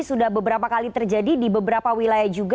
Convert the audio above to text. sudah beberapa kali terjadi di beberapa wilayah juga